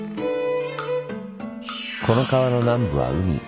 この川の南部は海。